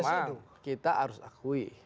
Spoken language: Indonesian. memang kita harus akui